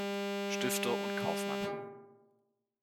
Stifter und Kaufmann.